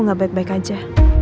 gak baik baik aja